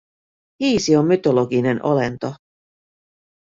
Hiisi on mytologinen olento.